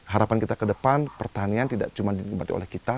harapan kita ke depan pertanian tidak cuma dinikmati oleh kita